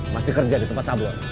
masih kerja di tempat cabur